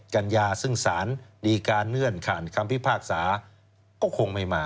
กัญญาซึ่งสารดีการเลื่อนผ่านคำพิพากษาก็คงไม่มา